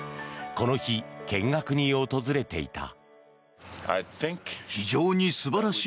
この日、見学に訪れていた。